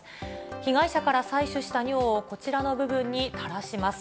被害者から採取した尿をこちらの部分にたらします。